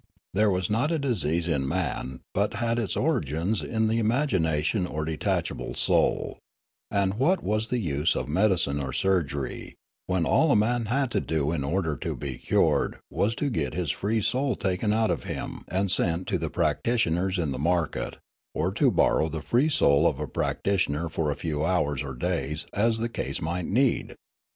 There was not a disease in man but had its origin in the imagination or detachable soul ; and what was the use of medicine or surgery, when all a man had to do in order to be cured was to get this free soul taken out of him and sent to the practitioners in the market or to borrow the free soul of a practitioner for a few hours or days as the case might need